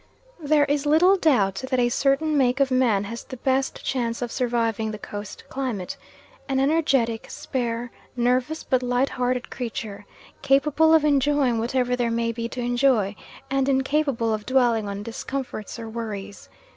There is little doubt that a certain make of man has the best chance of surviving the Coast climate an energetic, spare, nervous but light hearted creature, capable of enjoying whatever there may be to enjoy, and incapable of dwelling on discomforts or worries.